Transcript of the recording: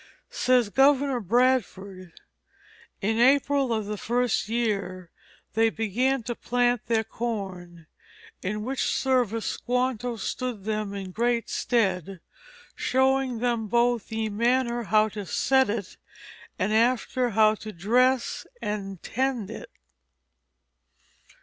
Says Governor Bradford: "In April of the first year they began to plant their corne, in which service Squanto stood them in great stead, showing them both ye manner how to set it, and after, how to dress and tend it."